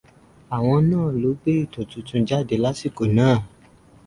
Àwọn náà ló gbé ètò tuntun jáde lásìkò náà.